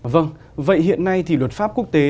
vâng vậy hiện nay thì luật pháp quốc tế